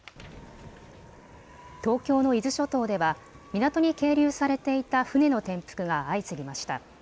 東京の伊豆諸島では港に係留されていた船の転覆が相次ぎました。